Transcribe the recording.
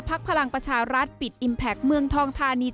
พลังประชารัฐปิดอิมแพคเมืองทองทานี